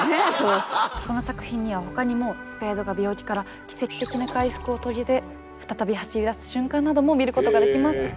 この作品にはほかにもスペードが病気から奇跡的な回復を遂げて再び走り出す瞬間なども見ることができます。